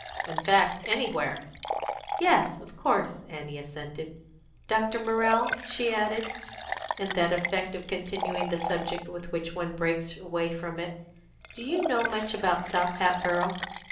In fact, anywhere." "Yes, of course," Annie assented. "Dr. Morrell," she added, in that effect of continuing the subject with which one breaks away from it, "do you know much about South Hatboro'?"